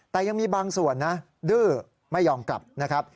แต่ยังมีบางส่วนนะดื้อไม่ยอมกลับนะครับ